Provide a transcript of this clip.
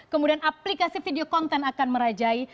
kemudian aplikasi video konten akan merajai